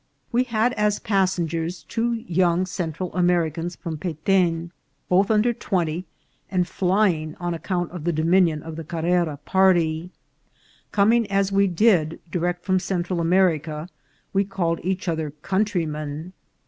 We had as passengers two young Central Americans from Peten, both under twenty, and flying on account of the dominion of the Carrera party. Coming, as we did, direct from Central America, we called each other countrymen.